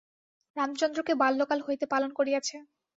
রামচন্দ্রকে বাল্যকাল হইতে পালন করিয়াছে।